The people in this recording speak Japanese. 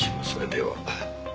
では。